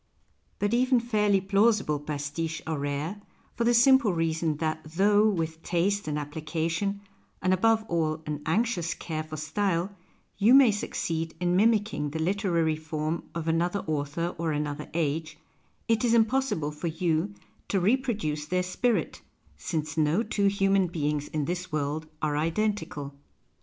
But even fairly plausible pastiches are rare, for the simple reason that though, with taste and application, and above all an anxious care for style, you may succeed in mimicking the literary form of another author or another age, it is impossible for you to reproduce their spirit — since no two human beings in this world arc identical.